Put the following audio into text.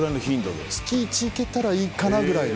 月１行けたらいいかなぐらいの。